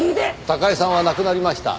高井さんは亡くなりました。